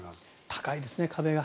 高いですね、壁が。